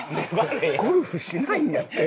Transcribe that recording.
ゴルフしないんやって。